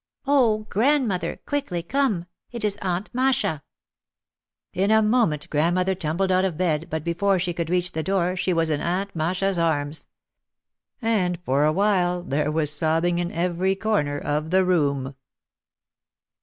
"Oh, grandmother, quickly come, it is Aunt Masha." In a moment grandmother tumbled out of bed, but be fore she could reach the door she was in Aunt Masha' s arms. And for a while there was sobbing in every cor ner of the room.